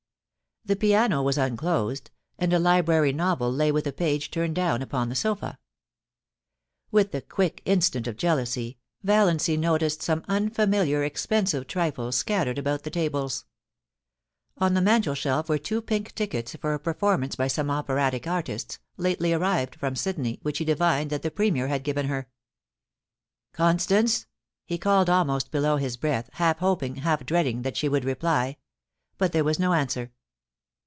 The piano was unclosed, and a library novel lay with a page turned down upon the sofa. With the quick instinct of jealousy. Valiancy noticed some unfamiliar expensive trifles scattered about the tables. On the mantelshelf were two pink tickets for a performance by some operatic artists, lately arrived from Sydney, which he divined that the Premier had given her. 314 POUCY AND PASSION. * Constance,' he called almost below his breath, half hoping, half dreading that she would reply; but there was no answer.